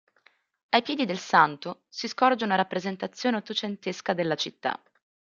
Ai piedi del santo si scorge una rappresentazione ottocentesca della città.